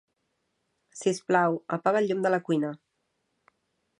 Sisplau, apaga el llum de la cuina.